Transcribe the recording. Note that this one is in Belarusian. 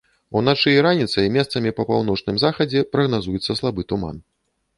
Уначы і раніцай месцамі па паўночным захадзе прагназуецца слабы туман.